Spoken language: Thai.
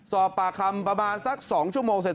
สอบปากคำประมาณสัก๒ชั่วโมงเสร็จ